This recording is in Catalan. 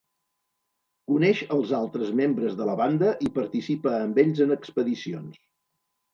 Coneix els altres membres de la banda i participa amb ells en expedicions.